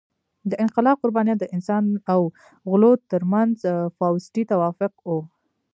د انقلاب قربانیان د انسان او غلو تر منځ فاوستي توافق وو.